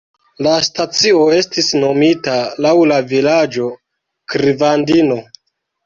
La stacio estis nomita laŭ la vilaĝo Krivandino.